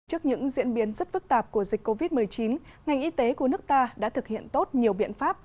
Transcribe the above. trước những diễn biến rất phức tạp của dịch covid một mươi chín ngành y tế của nước ta đã thực hiện tốt nhiều biện pháp